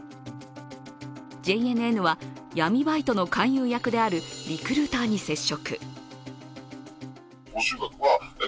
ＪＮＮは、闇バイトの勧誘役であるリクルーターに接触。